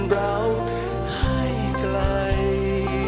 เราให้ไกล